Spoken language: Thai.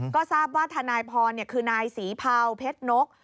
ก็ทราบว่าทนายพรคือนายศรีเภาเพชรนก